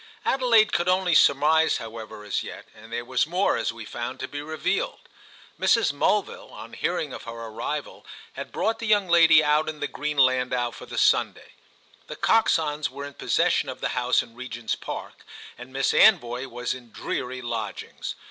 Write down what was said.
Adelaide could only surmise, however, as yet, and there was more, as we found, to be revealed. Mrs. Mulville, on hearing of her arrival, had brought the young lady out in the green landau for the Sunday. The Coxons were in possession of the house in Regent's Park, and Miss Anvoy was in dreary lodgings.